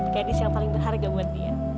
gadis yang paling berharga buat dia